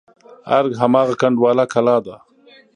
ارګ هماغه کنډواله کلا ده.